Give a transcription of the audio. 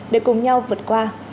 để cùng nhau vượt qua